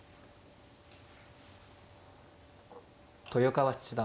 豊川七段